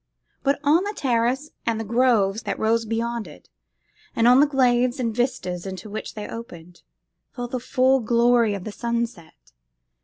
But on the terrace and the groves that rose beyond it, and on the glades and vistas into which they opened, fell the full glory of the sunset.